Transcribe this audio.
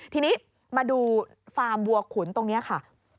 ทีนี้มาดูฟาร์มบัวขุนตรงนี้ค่ะ